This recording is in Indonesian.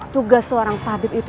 tugas seorang tabib itu